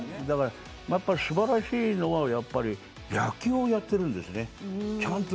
素晴らしいのは野球をやっているんです、ちゃんと。